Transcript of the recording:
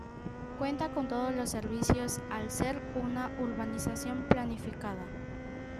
Cuenta con todos los servicios al ser una urbanización planificada.